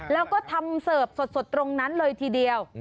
แล้วก็ทำเสิร์ฟสดตรงนั้นเลยทีเดียว